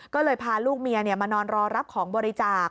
ก็เลยพาลูกเมียมานอนรอรับของบริจาค